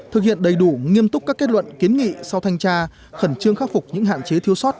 thực hiện đầy đủ nghiêm túc các kết luận kiến nghị sau thanh tra khẩn trương khắc phục những hạn chế thiếu sót